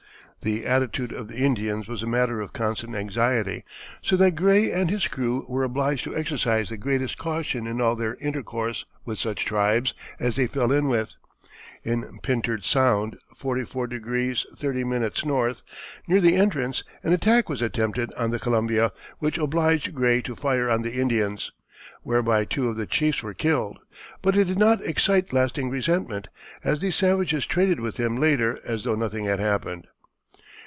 The attitude of the Indians was a matter of constant anxiety, so that Gray and his crew were obliged to exercise the greatest caution in all their intercourse with such tribes as they fell in with. In Pintard Sound, 51° 30´ N., near the entrance, an attack was attempted on the Columbia, which obliged Gray to fire on the Indians, whereby two of the chiefs were killed, but it did not excite lasting resentment, as these savages traded with him later as though nothing had happened.